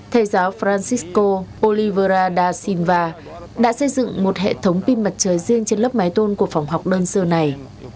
thầy giáo francisco polivera da silva đã xây dựng một hệ thống pin mặt trời riêng trên lớp mái tôn của phòng học đơn sơ này